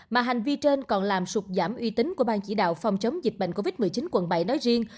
mà hành vi trên còn làm sụt giảm uy tín của bang chỉ đạo phòng chống dịch bệnh covid một mươi chín quận bảy nói riêng